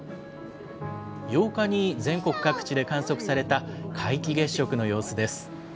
８日に全国各地で観測された皆既月食の様子です。